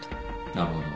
なるほど。